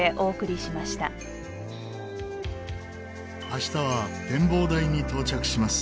明日は展望台に到着します。